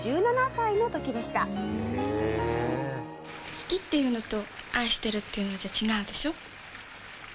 好きっていうのと愛してるっていうのじゃ違うでしょ？